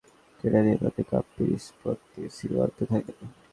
একপর্যায়ে কয়েকটি ballot paper কেড়ে নিয়ে তাতে কাপ-পিরিচ প্রতীকে সিল মারতে থাকেন।